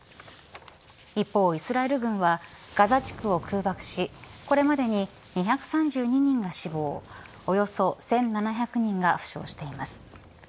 一方、イスラエル軍はガザ地区を空爆しこれまでに２３２人が死亡およそ１７００人が負傷しています。